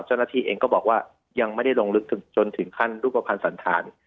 เจ้าหน้าที่เองก็บอกว่ายังไม่ได้ลงลึกจนถึงขั้นรูปภัณฑ์สันธาร